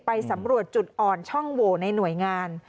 ไปสำรวจจุดอ่อนช่องโหวในหน่วยงาน